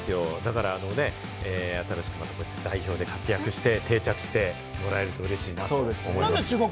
だから、新しくまた代表で活躍して定着してもらえるとうれしいなと思います。